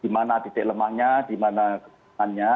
dimana titik lemahnya dimana kebenarannya